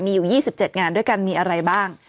มีอยู่๒๗งานด้วยกันมีอะไรบ้าง